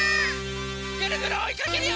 ぐるぐるおいかけるよ！